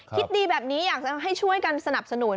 คิดดีแบบนี้อยากจะให้ช่วยกันสนับสนุน